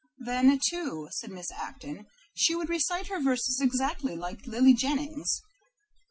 "Then, too," said Miss Acton, "she would recite her verses exactly like Lily Jennings.